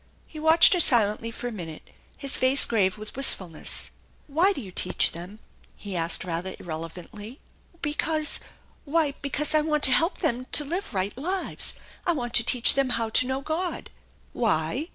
He watched her silently for a minute, his face grave with wistfulness. "Why do you teach them?" he asked rather irrelevantly. " Because why, because I want to help them to live right lives ; I want to teach them how to know God." "Why?"